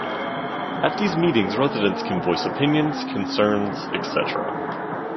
At these meetings residents can voice opinions, concerns, etc...